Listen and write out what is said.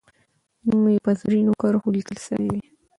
نوم یې به په زرینو کرښو لیکل سوی وي.